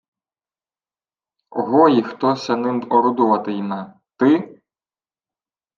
— Огої Хто се ним орудувати-йме? Ти?